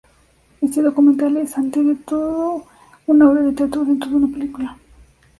Este documental es, ante todo, una obra de teatro dentro de una película.